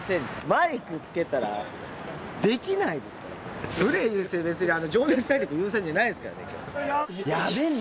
マイクつけたらできないですからプレー優先で「情熱大陸」優先じゃないですからね